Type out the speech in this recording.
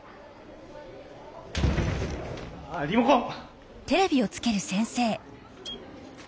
あリモコン！